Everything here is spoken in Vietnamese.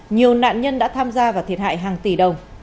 nhiều nạn nhân đã tham gia và thiệt hại hàng tỷ đồng